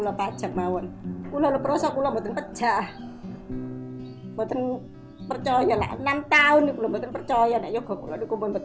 saya ingin melakukan sesuatu yang tidak bisa di suruh unduh